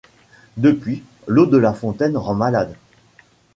Depuis, l'eau de la fontaine rend malade.